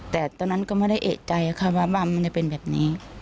แต่ตอนนั้นก็ไม่ได้เอกใจค่ะว่าบ้านมันจะเป็นแบบนี้